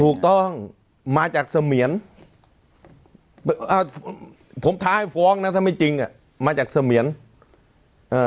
ถูกต้องมาจากเสมียนอ่าผมท้าให้ฟ้องนะถ้าไม่จริงอ่ะมาจากเสมียนเอ่อ